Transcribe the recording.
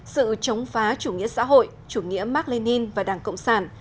sự chống phá chủ nghĩa xã hội chủ nghĩa mark lenin và đảng cộng sản